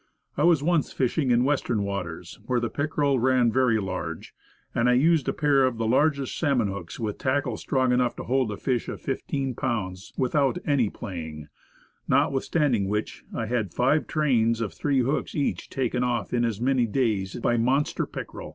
I was once fishing in Western waters where the pickerel ran very large, and I used a pair of the largest salmon hooks with tackle strong enough to hold a fish of fifteen pounds, with out any playing; notwithstanding which, I had five trains of three hooks each taken off in as many days by monster pickerel.